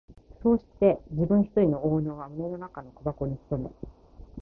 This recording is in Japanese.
そうして自分ひとりの懊悩は胸の中の小箱に秘め、